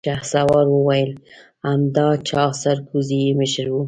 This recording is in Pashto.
شهسوار وويل: همدا چاغ سرکوزی يې مشر و.